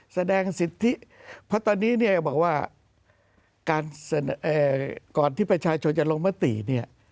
แสดงสิทธิเพราะตอนนี้เนี่ยบอกว่าการก่อนที่ประชาชนจะลงมติเนี่ย